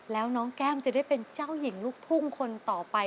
แล้วน้องแก้มจะได้เป็นเจ้าหญิงลูกทุ่งคนต่อไป